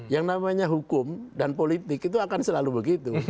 yang namanya hukum dan politik itu akan selalu begitu